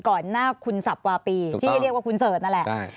ก่อนหน้าคุณศัพท์กว่าปีถูกต้องที่เรียกว่าคุณเสิร์ทนั่นแหละใช่